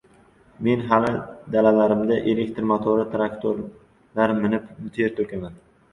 Men hali dalalarimda elektr motorli traktorlar minib ter to‘kaman.